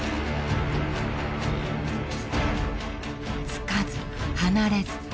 つかず離れず。